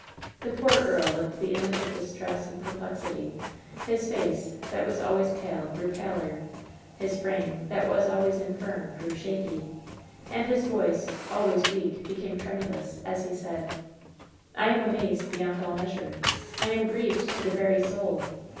The poor earl looked the image of distress and per plexity ; his face, that was always pale, grew paler ; his frame, that was always infirm, grew shaky, and his voice, always weak, became tremulous, as he said: "I am amazed beyond all measure. I am grieved to the very soul.